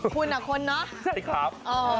คุณอะคนเนาะ